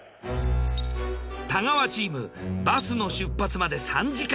太川チームバスの出発まで３時間。